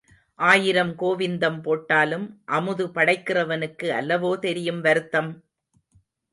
ஆயிரம் கோவிந்தம் போட்டாலும் அமுது படைக்கிறவனுக்கு அல்லவோ தெரியும் வருத்தம்?